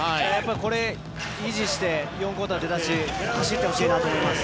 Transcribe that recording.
これ、維持して４クオーター、出だし走ってほしいなと思います。